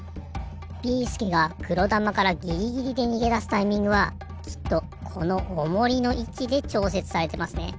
ビーすけがくろだまからギリギリでにげだすタイミングはきっとこのオモリのいちでちょうせつされてますね。